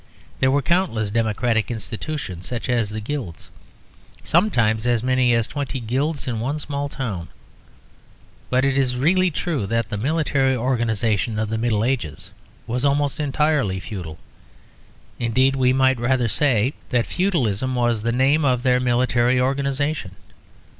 There were countless democratic institutions, such as the guilds; sometimes as many as twenty guilds in one small town. But it is really true that the military organization of the Middle Ages was almost entirely feudal; indeed we might rather say that feudalism was the name of their military organisation.